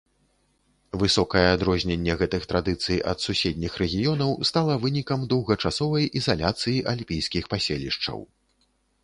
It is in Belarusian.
Высокае адрозненне гэтых традыцый ад суседніх рэгіёнаў стала вынікам доўгачасовай ізаляцыі альпійскіх паселішчаў.